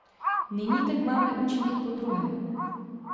Nyní tak máme učinit podruhé.